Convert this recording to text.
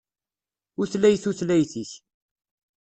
Utlay tutlayt-ik.